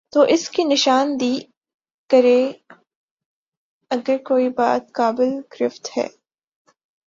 تو اس کی نشان دہی کرے اگر کوئی بات قابل گرفت ہے۔